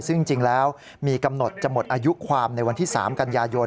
ซึ่งจริงแล้วมีกำหนดจะหมดอายุความในวันที่๓กันยายน